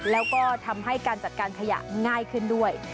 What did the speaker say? แล้วก็ทำให้การจัดการขยะง่ายขึ้นด้วย